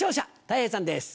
たい平さんです。